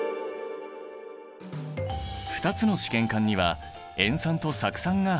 ２つの試験管には塩酸と酢酸が入っている。